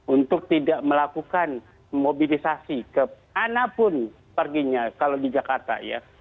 untuk tidak melakukan mobilisasi ke mana pun perginya kalau di jakarta ya